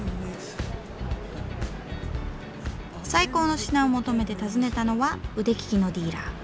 最高の品を求めて訪ねたのは腕利きのディーラー。